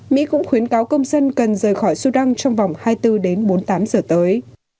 mỹ cũng khuyến cáo công dân cần rời khỏi sudan trong vòng hai mươi bốn đến bốn mươi tám giờ tới